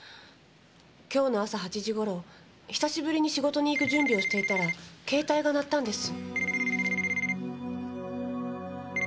今日の朝８時頃久しぶりに仕事に行く準備をしていたら携帯が鳴ったんです。